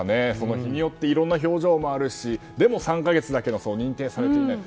日によっていろんな表情があるし３か月だけで認定されていない。